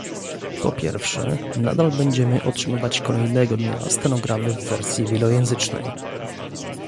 Po pierwsze, nadal będziemy otrzymywać kolejnego dnia stenogramy w wersji wielojęzycznej